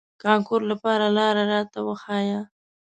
کانکور لپاره لار راته وښوئ.